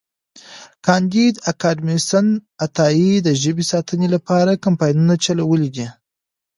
کانديد اکاډميسن عطایي د ژبې ساتنې لپاره کمپاینونه چلولي دي.